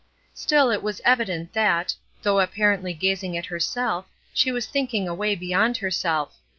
Still it was evident that, though apparently gazing at herself, she was thinking away beyond herself.